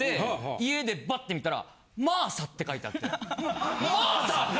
家でバッて見たら。って書いてあって。